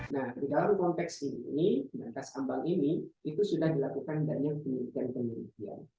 nah dalam konteks ini mantas ambang ini itu sudah dilakukan dengan penelitian penelitian